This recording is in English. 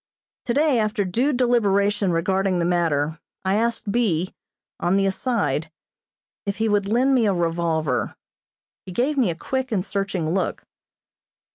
Today, after due deliberation regarding the matter, I asked B., on the aside, if he would lend me a revolver. He gave me a quick and searching look.